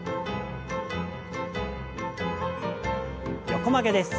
横曲げです。